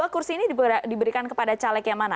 dua kursi ini diberikan kepada caleg yang mana